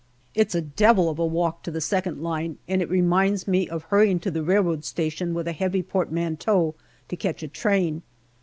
It's a devil of a walk to the second line, and it reminds me of hurrying to the railway station with a heavy portmanteau to catch a train.